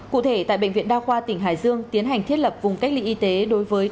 cụ thể tại bệnh viện đa khoa tỉnh hải dương tiến hành thiết lập vùng cách ly y tế đối với